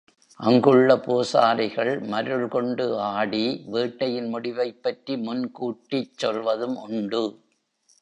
அங்குள்ள பூசாரிகள் மருள் கொண்டு ஆடி வேட்டையின் முடிவைப்பற்றி முன்கூட்டிச் சொல்லுவதும் உண்டு.